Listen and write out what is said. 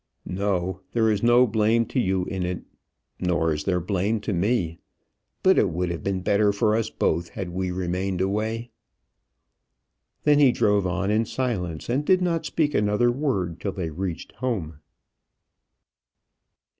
"No; there is no blame to you in it; nor is there blame to me. But it would have been better for us both had we remained away." Then he drove on in silence, and did not speak another word till they reached home.